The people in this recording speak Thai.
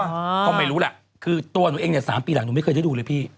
ก็ไม่รู้ล่ะคือตัวหนูเองเนี่ย๓ปีหลังหนูไม่เคยได้ดูเลยพี่